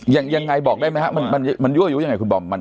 ยังไงบอกได้ไหมครับมันยั่วยุยังไงคุณบอม